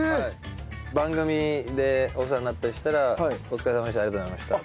番組でお世話になったりしたら「お疲れさまでした」「ありがとうございました」とか。